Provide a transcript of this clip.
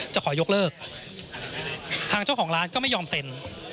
จะขอยกเลิกทางเจ้าของร้านก็ไม่ยอมเซ็น